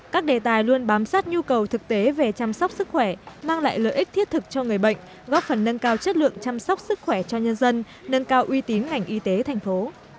các đề tài luôn bám sát nhu cầu thực tế về chăm sóc sức khỏe mang lại lợi ích thiết thực cho người bệnh góp phần nâng cao chất lượng chăm sóc sức khỏe cho nhân dân nâng cao uy tín ngành y tế thành phố